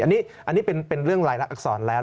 อันนี้เป็นเรื่องรายละอักษรแล้ว